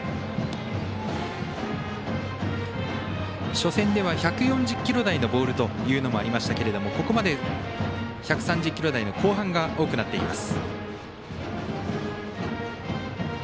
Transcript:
初戦では１４０キロ台のボールもありましたがここまで１３０キロ台の後半が多くなっています。